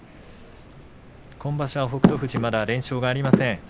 今場所の北勝富士はまだ連勝がありません。